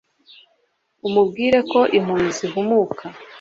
umubwire ko impumyi zihumuka